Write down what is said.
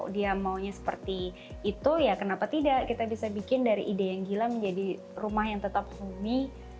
dia maunya seperti itu ya kenapa tidak kita bisa bikin dari ide yang gila menjadi rumah yang tetap bumi